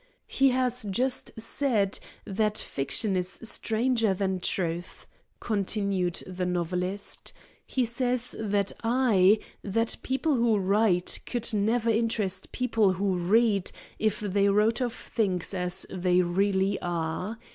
"He has just said that fiction is stranger than truth," continued the novelist. "He says that I that people who write could never interest people who read if they wrote of things as they really are.